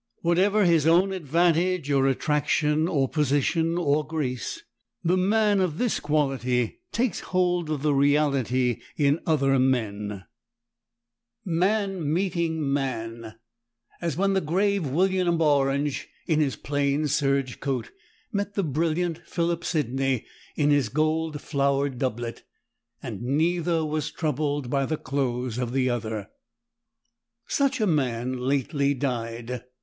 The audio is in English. Whatever his own advantage or attraction or position or grace, the man of this quality takes hold of the reality in other men, man meeting man, as when the grave William of Orange, in his plain serge coat, met the brilliant Philip Sidney in his gold flowered doublet, and neither was troubled by the clothes of the other. Such a man lately died.